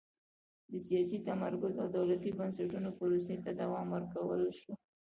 د سیاسي تمرکز او دولتي بنسټونو پروسې ته دوام ورکړل شوه.